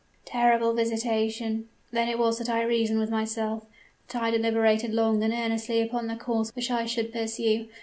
"Terrible visitation! Then was it that I reasoned with myself that I deliberated long and earnestly upon the course which I should pursue.